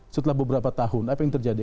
setelah beberapa tahun apa yang terjadi